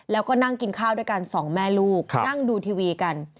แล้วก็นั่งกินข้าวด้วยกันสองแม่ลูกนั่งดูทีวีกัน